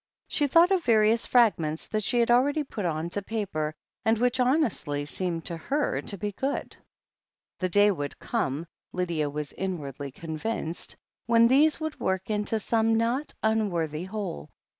She thought of various fragments that she had already put on to paper, and which honestly seemed to her to be good. THE HEEL OF ACHILLES 99 The day would come, Lydia was inwardly convinced, when these would work into some not unworthy whole.